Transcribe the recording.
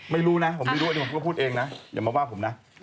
ไม่รู้นะผมไม่รู้อันนี้ผมก็พูดเองนะอย่ามาว่าผมนะ